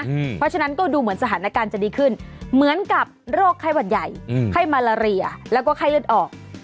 เพราะฉะนั้นก็ดูเหมือนสถานการณ์จะดีขึ้นเหมือนกับโรคไข้หวัดใหญ่ไข้มาลาเรียแล้วก็ไข้เลือดออก